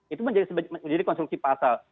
itu menjadi konstruksi pasal